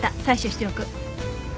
採取しておく。